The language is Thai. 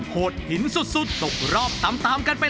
โหดหินสุดตกรอบตามกันไปเลย